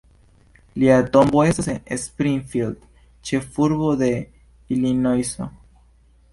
Lia tombo estas en Springfield, ĉefurbo de Ilinojso.